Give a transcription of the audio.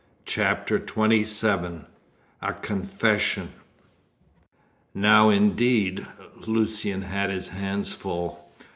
CHAPTER XXVII A CONFESSION Now, indeed, Lucian had his hands full.